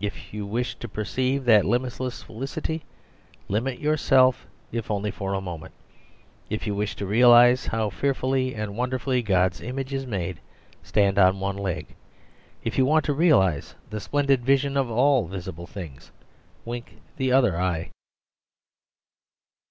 If you wish to perceive that limitless felicity, limit yourself if only for a moment. If you wish to realise how fearfully and wonderfully God's image is made, stand on one leg. If you want to realise the splendid vision of all visible things wink the other eye.